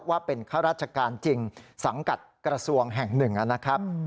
ว่าเป็นข้าราชการจริงสังกัดกระทรวงแห่งหนึ่งนะครับ